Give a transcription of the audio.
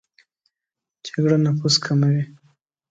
جګړه نفوس کموي